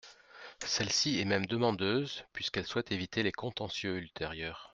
Celle-ci est même demandeuse, puisqu’elle souhaite éviter les contentieux ultérieurs.